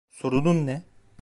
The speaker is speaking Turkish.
Sorunun ne?